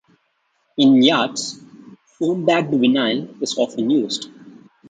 In yachts, foam-backed vinyl is often used.